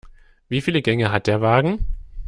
Wieviele Gänge hat der Wagen?